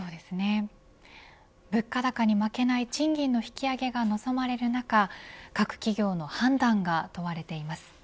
物価高に負けない賃金の引き上げが望まれる中各企業の判断が問われています。